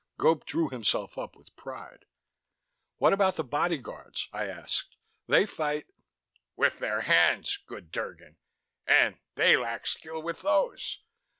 Gope drew himself up with pride. "What about the bodyguards?" I asked. "They fight " "With their hands, good Drgon. And they lack skill with those.